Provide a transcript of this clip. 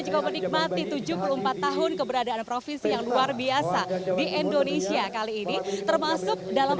juga menikmati tujuh puluh empat tahun keberadaan provinsi yang luar biasa di indonesia kali ini termasuk dalam